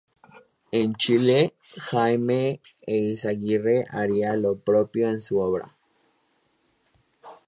En Chile, Jaime Eyzaguirre haría lo propio en su obra.